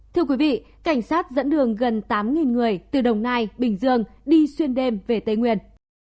thưa quý vị cảnh sát dẫn đường gần tám người từ đồng nai bình dương đi xuyên đêm về tây nguyên